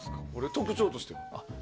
特徴として。